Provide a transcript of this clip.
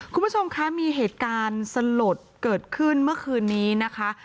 คุณผู้ชมคะมีเหตุการณ์สลดเกิดขึ้นเมื่อคืนนี้นะคะ